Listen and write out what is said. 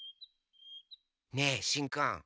ねえしんくん